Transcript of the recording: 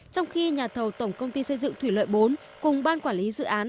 trong khi nhà thầu tổng công ty xây dựng thủy lợi bốn cùng ban quản lý dự án